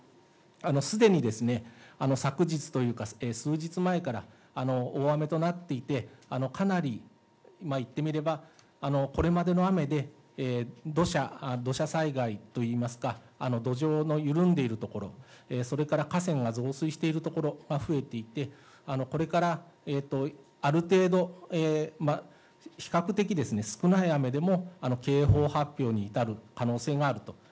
すでに昨日というか、数日前から大雨となっていて、かなりいってみれば、これまでの雨で、土砂災害といいますか、土壌の緩んでいる所、それから河川が増水している所が増えていって、これからある程度、比較的少ない雨でも警報発表に至る可能性があると。